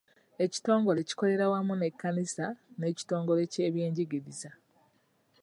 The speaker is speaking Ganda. Ekitongole kikolera wamu n'ekkanisa n'ekitongole ky'ebyenjigiriza.